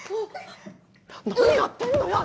何やってんのよ